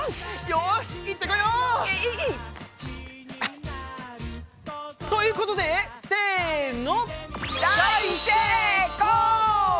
よし行ってこよう！ということでせの！